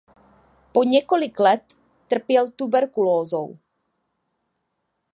Po několik let trpěl tuberkulózou.